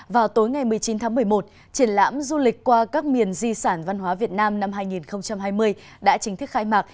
vào tối ngày một mươi chín tháng một mươi một triển lãm du lịch qua các miền di sản văn hóa việt nam năm hai nghìn hai mươi đã chính thức khai mạc